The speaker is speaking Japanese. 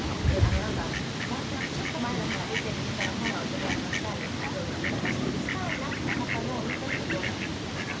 「なんかなんとなくちょっと前の歯が出てる人の方が男役はスターにどういうわけだかスターになった方のを見てるとそうだっていうのかな」